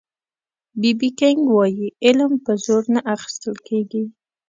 بي بي کېنګ وایي علم په زور نه اخيستل کېږي